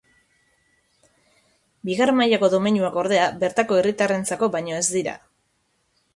Bigarren mailako domeinuak, ordea, bertako herritarrentzako baino ez dira.